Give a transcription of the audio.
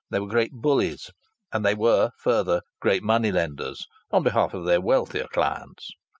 They were great bullies. And they were, further, great money lenders on behalf of their wealthier clients.